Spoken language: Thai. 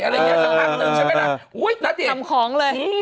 อะไรอย่างเงี้สักพักนึงใช่ไหมล่ะอุ้ยณเดชนทำของเลย